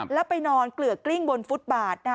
แล้วไปนอนเกลือกกลิ้งบนฟุตบาท